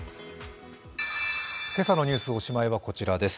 今朝のニュースおしまいはこちらです。